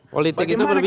politik itu lebih